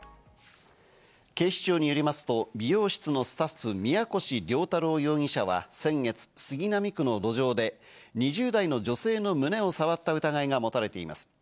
警視庁によりますと美容室のスタッフ・宮腰椋太郎容疑者は先月、杉並区の路上で２０代の女性の胸を触った疑いが持たれています。